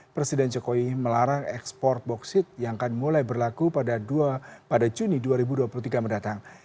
presiden jokowi melarang ekspor boksit yang akan mulai berlaku pada juni dua ribu dua puluh tiga mendatang